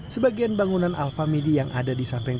sebagian bangunan alfa media yang ada di samping